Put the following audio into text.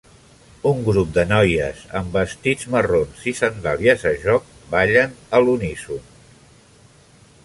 Un grup de noies amb vestits marrons i sandàlies a joc ballen a l'unisó.